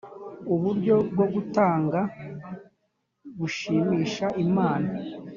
Uburyo bwo gutanga bushimisha Imana